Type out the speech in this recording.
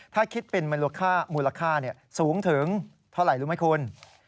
ถ้าคิดเป็นมูลค่าสูงถึงเท่าไหร่รู้ไหมคุณ